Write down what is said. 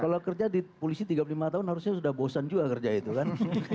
kalau kerja di polisi tiga puluh lima tahun harusnya sudah bosan juga kerja itu kan